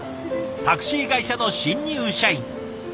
タクシー会社の新入社員。